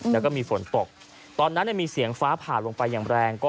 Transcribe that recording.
แล้วก็มีฝนตกตอนนั้นมีเสียงฟ้าผ่าลงไปอย่างแรง